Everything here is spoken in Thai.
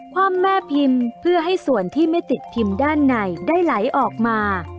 ความแม่พิมพ์เพื่อให้ส่วนที่ไม่ติดพิมพ์ด้านในได้ไหลออกมา